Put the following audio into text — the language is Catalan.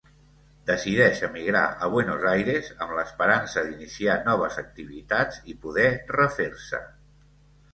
Decideix emigrar a Buenos Aires, amb l'esperança d'iniciar noves activitats i poder refer-se.